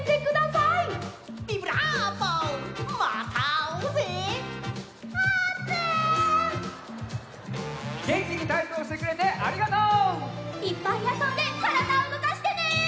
いっぱいあそんでからだをうごかしてね！